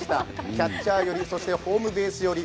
キャッチャー寄り、そしてホームベース寄り。